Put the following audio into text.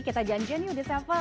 kita janjian yuk di sevel